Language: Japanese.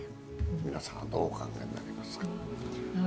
皆さんはどうお考えになりますか。